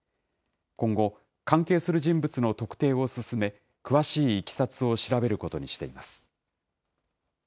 今後、関係する人物の特定を進め、詳しいいきさつを調べることにしています。